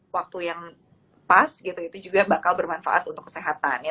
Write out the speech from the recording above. waktu yang pas gitu itu juga bakal bermanfaat untuk kesehatan